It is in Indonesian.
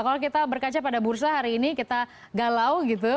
kalau kita berkaca pada bursa hari ini kita galau gitu